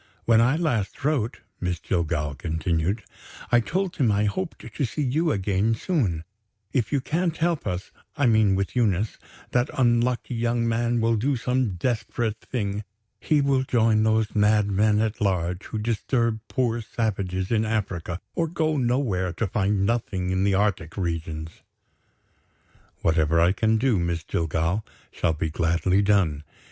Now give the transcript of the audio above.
When I last wrote," Miss Jillgall continued, "I told him I hoped to see you again soon. If you can't help us (I mean with Eunice) that unlucky young man will do some desperate thing. He will join those madmen at large who disturb poor savages in Africa, or go nowhere to find nothing in the Arctic regions. "Whatever I can do, Miss Jillgall, shall be gladly done.